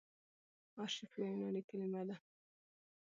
آرشیف يوه یوناني کليمه ده.